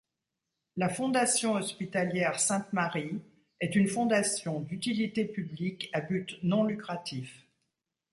La Fondation hospitalière Sainte-Marie est une fondation d'utilité publique à but non lucratif.